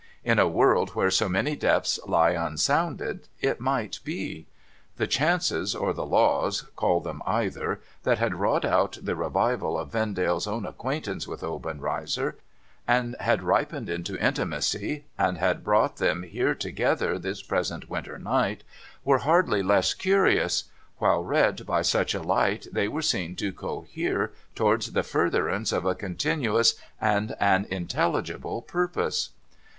In a world where so many depths lie unsounded, it might be. The chances, or the laws — call them either — that had wrought out the revival of Vendale's own acquaintance with Obenreizer, and had ripened it into intimacy, and had brought them here together this present winter night, were hardly less curious ; while read by such a liglit, they were seen to cohere towards the furtherance of a continuous and an intelligible purpose.